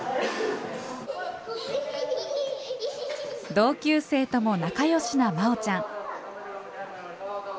同級生とも仲よしなまおちゃん。